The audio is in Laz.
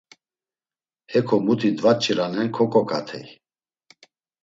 Heko muti dvaç̌iranen koǩoǩatey.